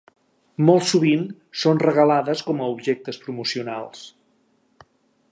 Molt sovint són regalades com a objectes promocionals.